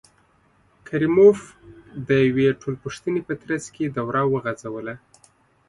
کریموف د یوې ټولپوښتنې په ترڅ کې دوره وغځوله.